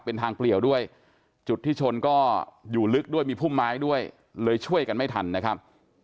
เป็นทางเปลี่ยวด้วยจุดที่ชนก็อยู่ลึกด้วยมีพุ่มไม้ด้วยเลยช่วยกันไม่ทันนะครับ